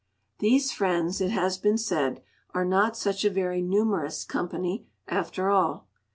These friends, it has been said, are not such a very numerous company after all.